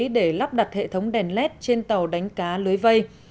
để lắp đặt hệ thống đèn led trên tàu đánh cá lưới vây